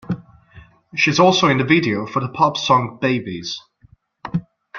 She is also in the video for the Pulp song "Babies".